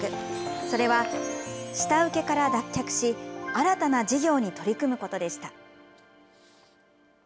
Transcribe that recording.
それは、下請けから脱却し新たな事業に取り組むことでした。